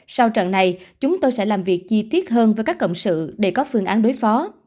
sau trận này chúng tôi sẽ làm việc chi tiết hơn với các cộng sự để có phương án đối phó